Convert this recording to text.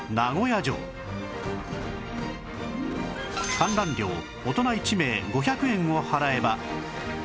観覧料大人１名５００円を払えば